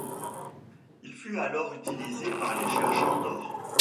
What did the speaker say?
Il fut alors utilisé par les chercheurs d'or.